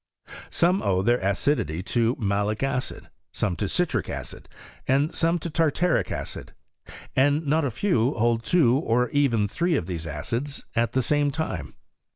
Some owe their acidity to malic acid, some to citric acid, and some to tartaric acid ; and not a few hold two, or even three, of these acids at the same time.